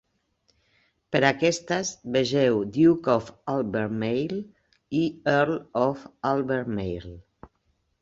Per aquestes, vegeu "Duke of Albemarle" i "Earl of Albemarle".